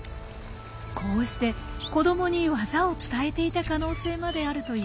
こうして子どもに技を伝えていた可能性まであるといいます。